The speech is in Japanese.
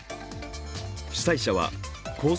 主催者はコース